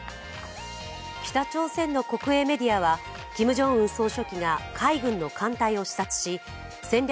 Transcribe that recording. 北朝鮮の国営メディアはキム・ジョンウン総書記が海軍の艦隊を視察し戦略